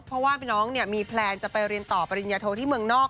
เพราะว่าน้องมีแพลนจะไปเรียนต่อปริญญาโทที่เมืองนอก